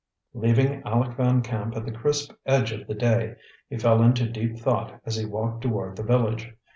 Leaving Aleck Van Camp at the crisp edge of the day, he fell into deep thought as he walked toward the village.